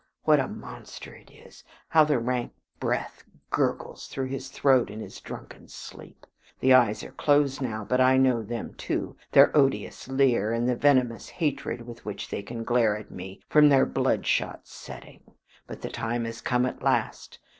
What a monster it is! How the rank breath gurgles through his throat in his drunken sleep. The eyes are closed now, but I know them too; their odious leer, and the venomous hatred with which they can glare at me from their bloodshot setting. But the time has come at last.